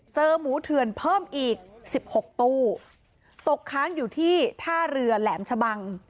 หมูเถื่อนเพิ่มอีกสิบหกตู้ตกค้างอยู่ที่ท่าเรือแหลมชะบัง